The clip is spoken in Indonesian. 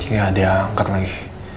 gak ada yang ngerti lagi